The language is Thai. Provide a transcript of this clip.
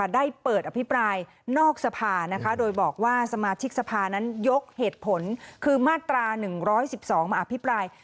ได้เปิดอภิปรายนอกสภานะคะโดยบอกว่าสมาชิกสภานั้นยกเหตุผลคือมาตรา๑๑๒มาอภิปราย